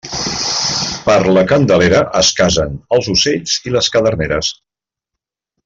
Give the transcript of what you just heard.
Per la Candelera es casen els ocells i les caderneres.